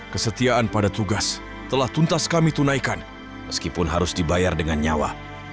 kesetiaan pada tugas telah tuntas kami tunaikan meskipun harus dibayar dengan nyawa